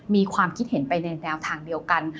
มีความคิดเห็นไปในแนวทางเดียวกัน